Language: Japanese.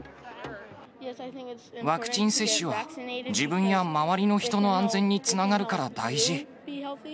ワクチン接種は、自分や周りの人の安全につながるから大事。